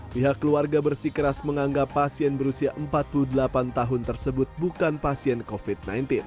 pihak keluarga bersikeras menganggap pasien berusia empat puluh delapan tahun tersebut bukan pasien covid sembilan belas